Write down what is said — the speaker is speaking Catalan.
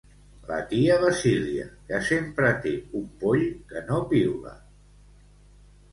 La tia Basília, que sempre té un poll que no piula.